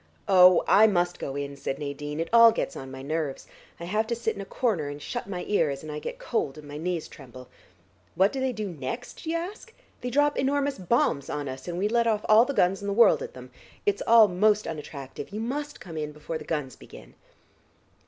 "Oh, I must go in," said Nadine. "It all gets on my nerves. I have to sit in a corner, and shut my ears, and I get cold and my knees tremble. What do they do next, do you ask? They drop enormous bombs on us, and we let off all the guns in the world at them. It's all most unattractive. You must come in before the guns begin."